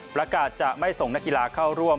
ประกาศจะไม่ส่งนักกีฬาเข้าร่วม